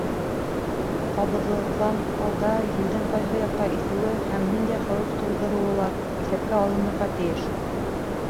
Ҡабыҙырҙан алда елдең ҡайһы яҡҡа иҫеүе һәм ниндәй хәүеф тыуҙырыуы ла иҫәпкә алынырға тейеш.